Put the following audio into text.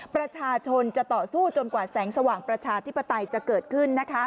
ประชาชนจะต่อสู้จนกว่าแสงสว่างประชาธิปไตยจะเกิดขึ้น